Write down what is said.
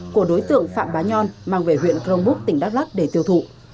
của đối tượng phạm bá nhon mang về huyện crong búc tỉnh đắk lắc để tiêu thụ